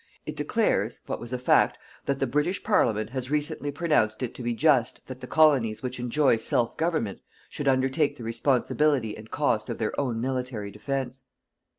It declares, what was a fact, that the British _Parliament has recently pronounced it to be just that the Colonies which enjoy self government should undertake the responsibility and cost of their own military defence_.